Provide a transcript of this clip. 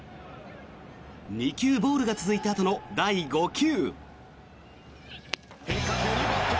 ２球ボールが続いたあとの第５球。